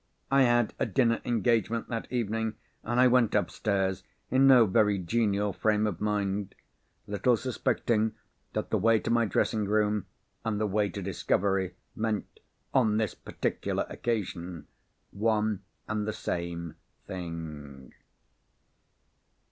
I had a dinner engagement that evening; and I went upstairs, in no very genial frame of mind, little suspecting that the way to my dressing room and the way to discovery, meant, on this particular occasion, one and the same thing.